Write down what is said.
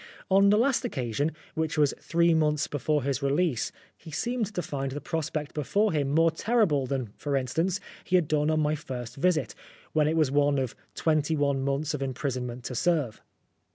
On the last occasion, which was three months before his release, he seemed to find the prospect before him more terrible than, for instance, he had done on my first visit, when it was one of twenty one months of imprison ment to serve.